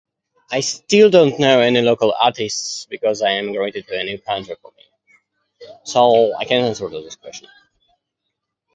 I still don't know any local artists because I am [unintelligible] So I cannot answer this question.